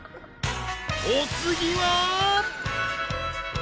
［お次は］